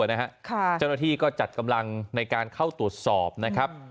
เจ้าหน้าที่ก็จัดกำลังในการเข้าตรวจสอบนะครับ